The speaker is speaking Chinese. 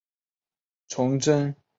崇祯十二年庚辰科联捷进士。